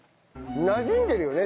なじんでるよね